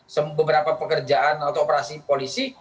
beberapa pekerjaan atau operasi polisi